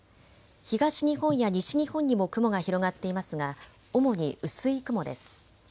東日本や西日本にも雲が広がっていますが主に薄い雲です。